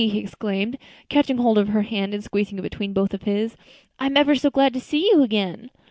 he exclaimed, catching hold of her hand and squeezing it between both of his, "I'm ever so glad to see you again."